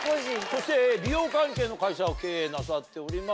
そして美容関係の会社を経営なさっております。